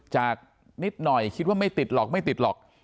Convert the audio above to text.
นิดหน่อยคิดว่าไม่ติดหรอกไม่ติดหรอก